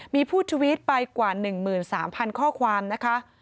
มีผู้ทวิตไปกว่า๑๓๐๐ข้อความนะคะ